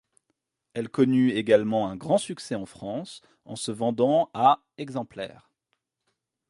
Elle connut également un grand succès en France, en se vendant à exemplaires.